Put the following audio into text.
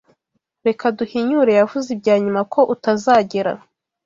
Reka duhinyure yavuze ibya nyuma ko utazagera